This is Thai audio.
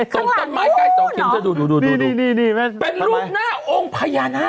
ตรงต้นไม้ใกล้สองเข็มเธอดูดูเป็นรูปหน้าองค์พญานาค